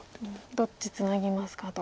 どっちツナぎますかと。